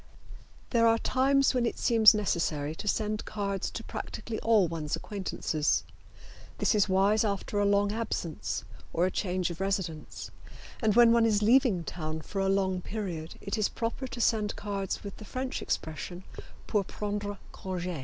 There are times when it seems necessary to send cards to practically all one's acquaintances, This is wise after a long absence or a change of residence, and when one is leaving town for a long period it is proper to send cards with the French expression, "Pour prendre conge."